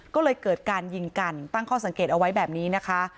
ก็เลยเกิดการยิงกันตั้งข้อสังเกตเอาไว้แบบนี้นะคะ